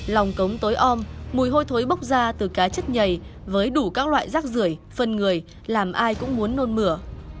lòng cống tối ôm mùi hôi thối bốc ra từ cá chất nhầy với đủ các loại rác rưỡi phân người làm ai cũng muốn nôn mửa